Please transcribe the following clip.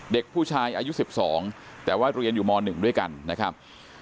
เด็กผู้ชายอายุ๑๒แต่ว่าเรียนอยู่ม๑ด้วยกันนะครับ